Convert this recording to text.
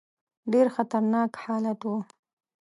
ډېر خطرناک حالت وو.